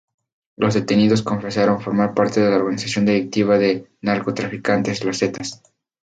Los detenidos confesaron formar parte de la organización delictiva de narcotraficantes Los Zetas.